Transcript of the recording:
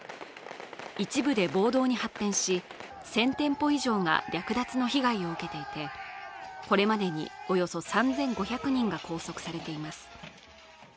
一部で暴動に発展し、１０００店舗以上が略奪の被害を受けていて、これまでにおよそ３５００人が拘束されています。